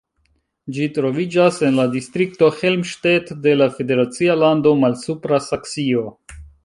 Ĝi troviĝas en la distrikto Helmstedt de la federacia lando Malsupra Saksio.